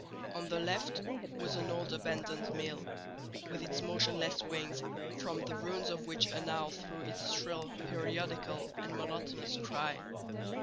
On the left was an old abandoned mill, with its motionless wings, from the ruins of which an owl threw out its shrill, periodical, and monotonous cry.